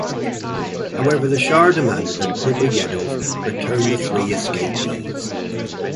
However, the Shah demanded that Griboyedov returned the three escapees.